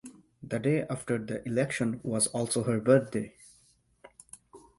The day after the election was also her birthday.